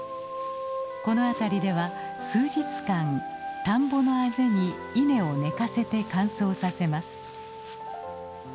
この辺りでは数日間田んぼのあぜに稲を寝かせて乾燥させます。